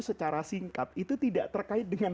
secara singkat itu tidak terkait dengan